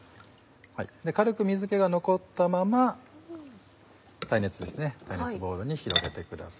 軽く水気が残ったまま耐熱ボウルに広げてください。